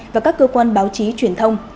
và các cơ quan báo chí truyền thông